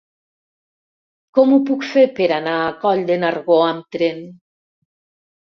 Com ho puc fer per anar a Coll de Nargó amb tren?